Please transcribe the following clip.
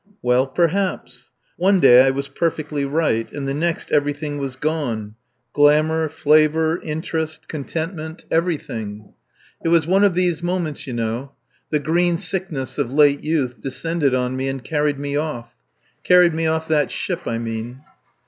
Well perhaps! One day I was perfectly right and the next everything was gone glamour, flavour, interest, contentment everything. It was one of these moments, you know. The green sickness of late youth descended on me and carried me off. Carried me off that ship, I mean.